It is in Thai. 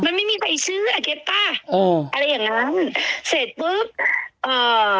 มันไม่มีใครซื้ออ่ะเก็บป่ะโอ้อะไรอย่างงั้นเสร็จปุ๊บเอ่อ